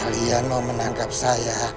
kalian mau menangkep saya